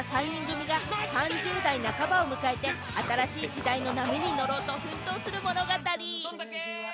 映画は「ゆとり世代」と言われた３人組が３０代半ばを迎えて新しい時代の波に乗ろうと奮闘する物語。